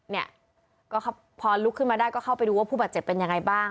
เนี่ยก็พอลุกขึ้นมาได้ก็เข้าไปดูว่าผู้บาดเจ็บเป็นยังไงบ้าง